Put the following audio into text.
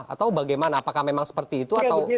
atau bagaimana apakah memang seperti itu atau